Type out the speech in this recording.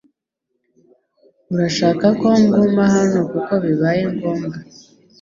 Urashaka ko nguma hano kuko bibaye ngombwa